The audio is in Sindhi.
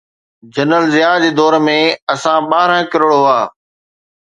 جنرل ضياءَ جي دور ۾ اسان ٻارهن ڪروڙ هئا.